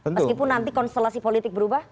meskipun nanti konstelasi politik berubah